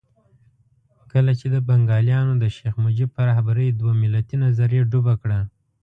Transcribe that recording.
کله چې بنګالیانو د شیخ مجیب په رهبرۍ دوه ملتي نظریه ډوبه کړه.